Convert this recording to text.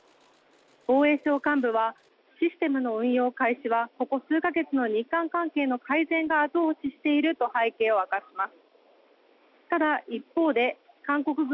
防衛省幹部はシステムの運用開始はここ数か月の日韓関係の改善が後押ししていると背景を明かします。